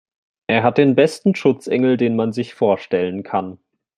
Er hat den besten Schutzengel, den man sich vorstellen kann.